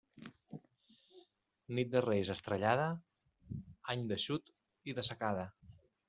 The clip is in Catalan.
Nit de Reis estrellada, any d'eixut i de secada.